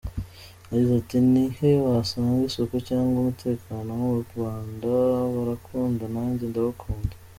Yagize ati “Ni he wasanga isuku cyangwa umutekano nko mu Rwanda? Barankunda nanjye ndabakunda.